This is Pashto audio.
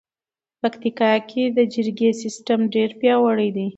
پکتیکا کې د جرګې سیستم ډېر پیاوړی دی.